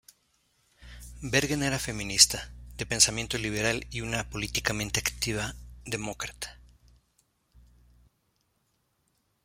Bergen era feminista, de pensamiento liberal y una políticamente activa demócrata.